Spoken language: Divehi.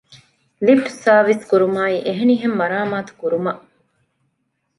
ލިފްޓް ސާރވިސް ކުރުމާއި އެހެނިހެން މަރާމާތު ކުރުމަށް